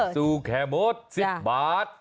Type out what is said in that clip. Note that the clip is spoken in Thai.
ซู่แค่หมด๑๐บาท